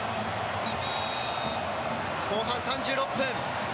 後半３６分。